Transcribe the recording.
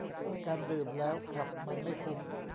การดื่มแล้วขับมันไม่คุ้ม